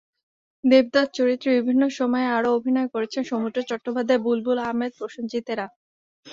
দেবদাস চরিত্রে বিভিন্ন সময়ে আরও অভিনয় করেছেন সৌমিত্র চট্টোপাধ্যায়, বুলবুল আহমেদ, প্রসেনজিতেরা।